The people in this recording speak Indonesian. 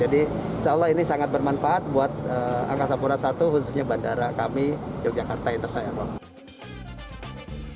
jadi insya allah ini sangat bermanfaat buat angkasa pura i khususnya bandara kami yogyakarta yang terkenal